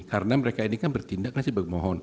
karena mereka ini kan bertindak kan sih pemohon